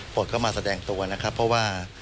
เข้ามาแสดงตัวนะครับเพราะว่า